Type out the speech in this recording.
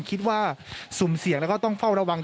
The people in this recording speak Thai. สุ่มเสี่ยงแล้วก็ต้องเฝ้าระวัง